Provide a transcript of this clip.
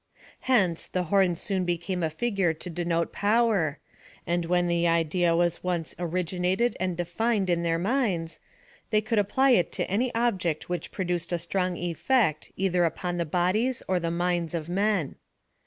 Hence, the horn soon became a figure to denote power, and when the idea was once originated and defined in theii minds, they could apply it to any object which pro duced a strong effect either upon the bodies or the minds of men.